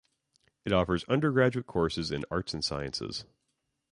It offers undergraduate courses in arts and sciences.